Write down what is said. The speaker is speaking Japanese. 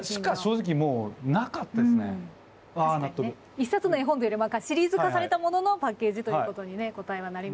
一冊の絵本というよりかはシリーズ化されたもののパッケージということに答えはなりましたが。